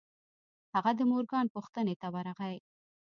هغه د مورګان پوښتنې ته ورغی.